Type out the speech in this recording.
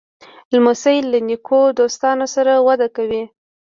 لمسی له نیکو دوستانو سره وده کوي.